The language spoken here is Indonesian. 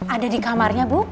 ada di kamarnya bu ada apa ya